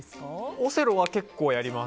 オセロは結構やります。